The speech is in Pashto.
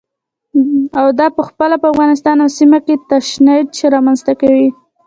او دا پخپله په افغانستان او سیمه کې تشنج رامنځته کوي.